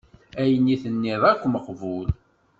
Ayen i d-tenniḍ akk meqbul.